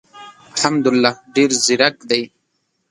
حمدالله ډېر زیرک دی.